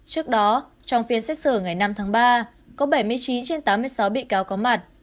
trước đó trong phiên xét xử ngày năm tháng ba có bảy mươi chín trên tám mươi sáu bị cáo có mặt